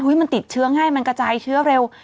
มันติดเชื้อง่ายมันกระจายเชื้อเร็ว